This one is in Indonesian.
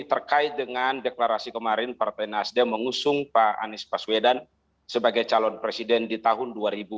terkait dengan deklarasi kemarin partai nasdem mengusung pak anies paswedan sebagai calon presiden di tahun dua ribu dua puluh